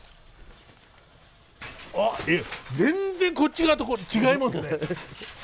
あっ全然こっち側と違いますね。